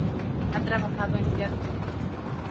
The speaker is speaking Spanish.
Ha trabajado en teatro.